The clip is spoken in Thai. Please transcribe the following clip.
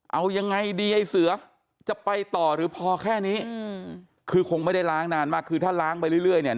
เอายังไงดีไอ้เสือจะไปต่อหรือพอแค่นี้คือคงไม่ได้ล้างนานมากคือถ้าล้างไปเรื่อยเนี่ย